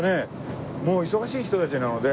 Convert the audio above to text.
もう忙しい人たちなので。